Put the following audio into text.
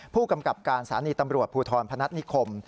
ผู้กำกับการสถานีตำรวจภูทรพนัฐนิคม